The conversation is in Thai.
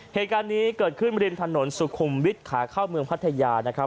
เหตุการณ์นี้เกิดขึ้นริมถนนสุขุมวิทย์ขาเข้าเมืองพัทยานะครับ